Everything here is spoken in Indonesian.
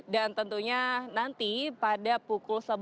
dan tentunya nanti pada pukul sebelas